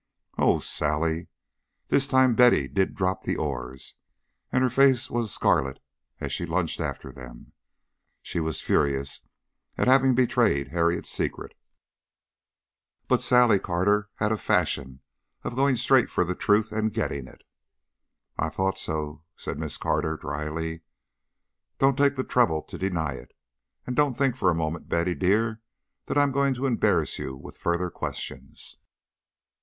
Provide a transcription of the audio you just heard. "Oh, Sally!" This time Betty did drop the oars, and her face was scarlet as she lunged after them. She was furious at having betrayed Harriet's secret, but Sally Carter had a fashion of going straight for the truth and getting it. "I thought so," said Miss Carter, dryly. "Don't take the trouble to deny it. And don't think for a moment, Betty dear, that I am going to embarrass you with further questions.